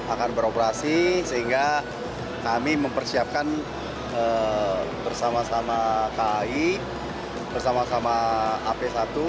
akan beroperasi sehingga kami mempersiapkan bersama sama kai bersama sama ap satu